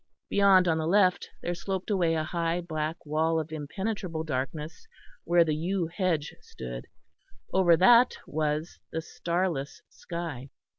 Beyond on the left there sloped away a high black wall of impenetrable darkness where the yew hedge stood; over that was the starless sky.